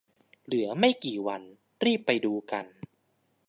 เหลือไม่กี่วัน รีบไปดูกัน